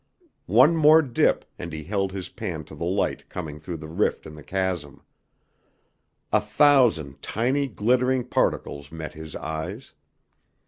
One more dip, and he held his pan to the light coming through the rift in the chasm. A thousand tiny, glittering particles met his eyes!